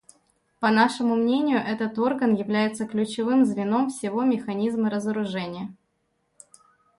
По нашему мнению, этот орган является ключевым звеном всего механизма разоружения.